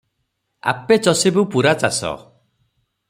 "ଆପେ ଚଷିବୁ ପୂରା ଚାଷ